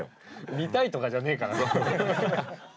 見たいとかじゃねえから。